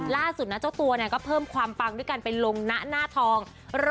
ล่าสุดนะเจ้าตัวเนี่ยก็เพิ่มความปังด้วยการไปลงนะหน้าทอง